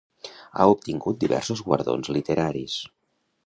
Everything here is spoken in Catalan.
Ha obtingut diversos guardons literaris.